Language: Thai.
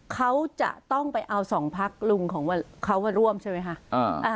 เขาจะต้องไปเอาสองพักลุงของเขามาร่วมใช่ไหมคะ